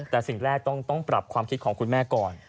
แต่สิ่งแรกต้องปรับความคิดของคุณแม่ก่อน